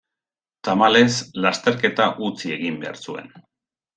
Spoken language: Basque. Tamalez, lasterketa utzi egin behar zuen.